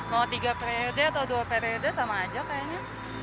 mau tiga periode atau dua periode sama aja kayaknya